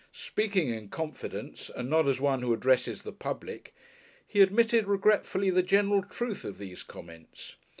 Speaking in confidence and not as one who addresses the public, he admitted regretfully the general truth of these comments.